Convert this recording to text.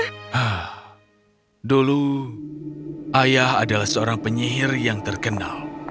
hah dulu ayah adalah seorang penyihir yang terkenal